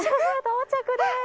到着です。